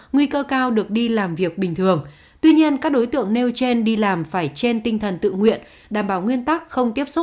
nguy cơ cao được đi làm việc bình thường tuy nhiên các đối tượng nêu trên đi làm phải trên tinh thần tự nguyện